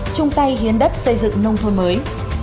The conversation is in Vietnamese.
trung tay hiến đất xây dựng nông thôn mới